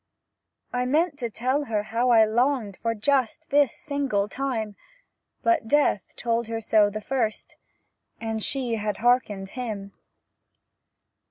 I meant to tell her how I longed For just this single time; But Death had told her so the first, And she had hearkened him.